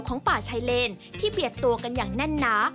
ของป่าชายเลนที่เบียดตัวกันอย่างแน่นหนา